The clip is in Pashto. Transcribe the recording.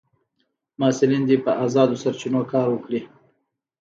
محصلین دي په ازادو سرچینو کار وکړي.